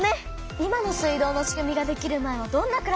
今の水道のしくみができる前はどんなくらしだったんだろう？